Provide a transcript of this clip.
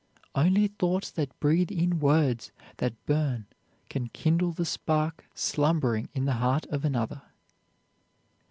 Only thoughts that breathe in words that burn can kindle the spark slumbering in the heart of another.